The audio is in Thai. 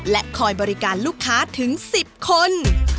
และคอยบริการลูกค้าถึง๑๐คน